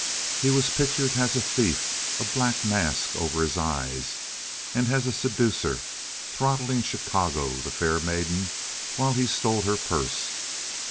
He was pictured as a thief, a black mask over his eyes, and as a seducer, throttling Chicago, the fair maiden, while he stole her purse.